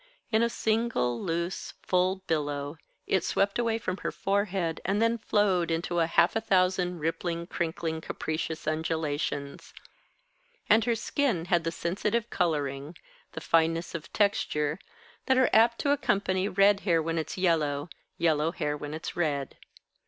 In a single loose, full billow it swept away from her forehead, and then flowed into a half a thousand rippling, crinkling, capricious undulations. And her skin had the sensitive colouring, the fineness of texture, that are apt to accompany red hair when it's yellow, yellow hair when it's red.